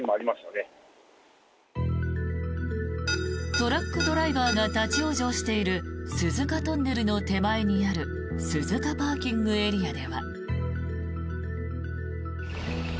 トラックドライバーが立ち往生している鈴鹿トンネルの手前にある鈴鹿ＰＡでは。